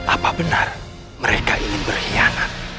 apa benar mereka ingin berkhianat